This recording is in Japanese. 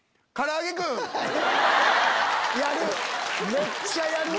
めっちゃやるわ！